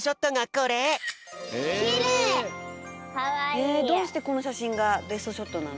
えどうしてこのしゃしんがベストショットなの？